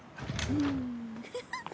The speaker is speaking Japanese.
フフフッ！